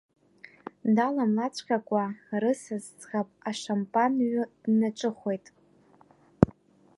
Даламлацәҟакәа рысас ӡӷаб ашампан ҩы днаҿыхәеит.